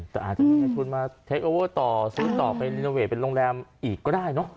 แต่อาจจะมีในทุนมาเทคโอเวอร์ต่อซื้อต่อไปรีโนเวทเป็นโรงแรมอีกก็ได้เนอะ